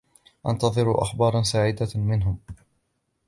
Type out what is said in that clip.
أنتظر أخبارا سعيدة منهم.